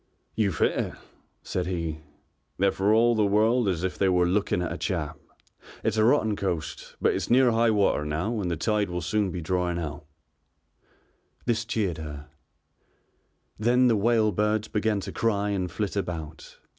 "You've hit it," said he, "they're for all the world as if they were looking at a chap. It's a rotten coast, but it's near high water now and the tide will soon be drawing out." This cheered her. Then the whale birds began to cry and flit about.